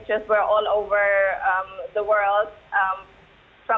jadi semua orang seperti ya baiklah masih baik baik saja